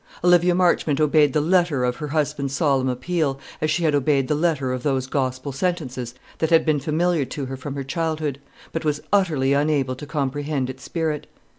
Olivia Marchmont obeyed the letter of her husband's solemn appeal, as she had obeyed the letter of those Gospel sentences that had been familiar to her from her childhood, but was utterly unable to comprehend its spirit.